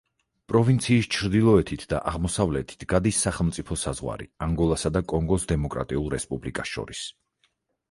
პროვინციის ჩრდილოეთით და აღმოსავლეთით გადის სახელმწიფო საზღვარი ანგოლასა და კონგოს დემოკრატიულ რესპუბლიკას შორის.